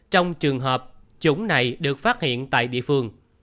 trong trường hợp chủng này được phát hiện tại địa phương